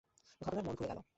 ঘটনার মোড় ঘুরে গেল!